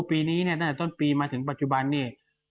ปีนี้เนี่ยต้นปีมาถึงปัจจุบันนี้